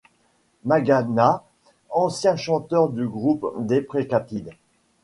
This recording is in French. Magana, ancien chanteur du groupe Deprecated.